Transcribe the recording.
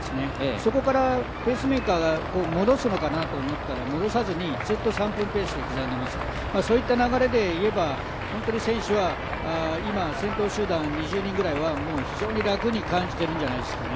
そこからペースメーカーが戻すのかと思ったら戻さずにずっと３分ペースで刻んでいますよね、そういった流れでいえば本当に選手は今、先頭集団２０人ぐらいは非常に楽に感じているんじゃないでしょうか。